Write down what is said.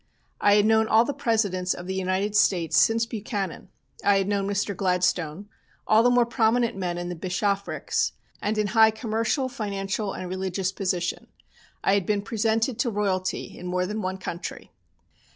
I had known all the Presidents of the United States since Buchanan. I had known Mr. Gladstone, all the more prominent men in the bishoprics, and in high commercial, financial and religious position. I had been presented to royalty in more than one country.